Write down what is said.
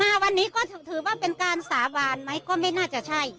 มาวันนี้ก็ถือว่าเป็นการสาบานไหมก็ไม่น่าจะใช่